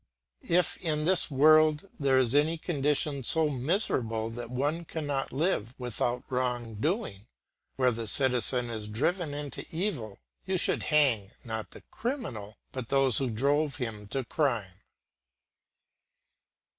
If in this world there is any condition so miserable that one cannot live without wrong doing, where the citizen is driven into evil, you should hang, not the criminal, but those who drove him into crime.